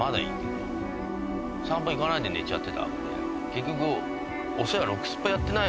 結局。